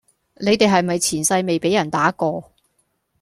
你地係咪前世未比人打過?